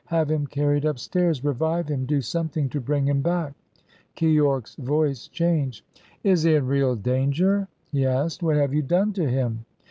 Have him carried upstairs! Revive him! do something to bring him back!" Keyork's voice changed. "Is he in real danger?" he asked. "What have you done to him?"